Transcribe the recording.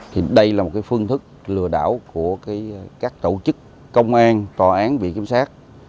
thì đây là một phương thức lừa đảo của các tổ chức công an tòa án viện kiểm sát